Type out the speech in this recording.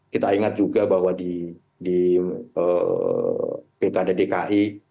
kita ingat juga bahwa di pkn dan dki